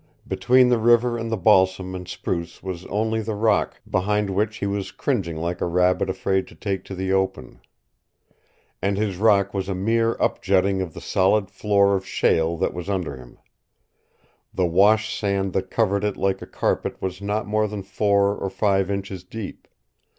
Between the river and the balsam and spruce was only the rock behind which he was cringing like a rabbit afraid to take to the open. And his rock was a mere up jutting of the solid floor of shale that was under him. The wash sand that covered it like a carpet was not more than four or five inches deep.